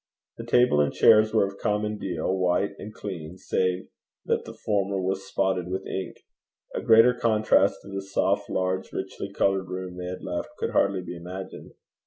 The table and chairs were of common deal, white and clean, save that the former was spotted with ink. A greater contrast to the soft, large, richly coloured room they had left could hardly be imagined.